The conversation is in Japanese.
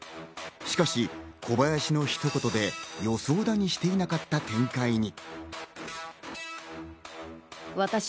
しかし、小林の一言で予想だにしていなかった展開に。